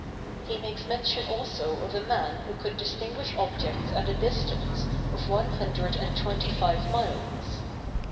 He makes mention also of a man who could distinguish objects at a distance of one hundred and twenty five miles.